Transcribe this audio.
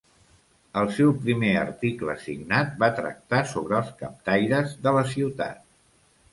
El seu primer article signat va tractar sobre els captaires de la ciutat.